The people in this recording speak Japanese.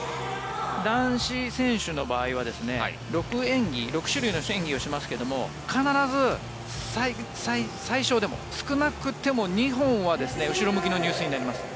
男子選手の場合は６種類の演技をしますけど必ず最少でも２本は後ろ向きの入水になります。